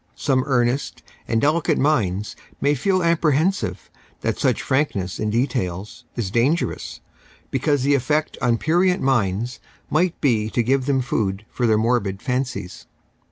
Some earnest and delicate minds may feel apprehensive that such frankness in details is " dan gerous," because the effect on prurient minds might be to give them food for their morbid fancies.